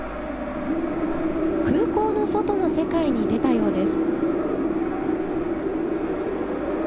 空港の外の世界に出たようです。